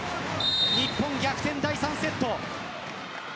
日本逆転、第３セット。